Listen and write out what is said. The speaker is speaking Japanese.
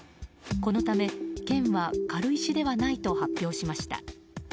このため、県は軽石ではないと発表しました。